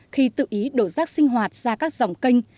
khi tự ý đổ rác sinh hoạt ra các dòng kênh